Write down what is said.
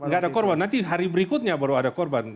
gak ada korban nanti hari berikutnya baru ada korban